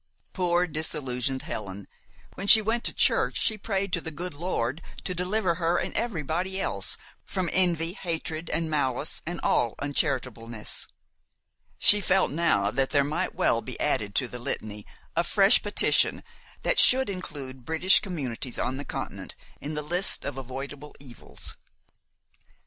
Poor, disillusioned Helen! When she went to church she prayed to the good Lord to deliver her and everybody else from envy, hatred, and malice, and all uncharitableness. She felt now that there might well be added to the Litany a fresh petition which should include British communities on the Continent in the list of avoidable evils.